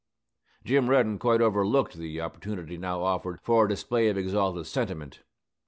Jim Reddin quite overlooked the opportunity now offered for a display of exalted sentiment.